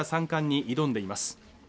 ３冠に挑んでいます